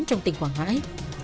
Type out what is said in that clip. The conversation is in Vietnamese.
trong tình khoảng hãi